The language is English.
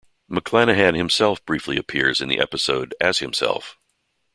McClanahan himself briefly appears in the episode as himself.